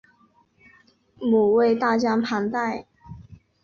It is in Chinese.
母为大江磐代。